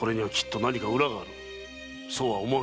そうは思わんか？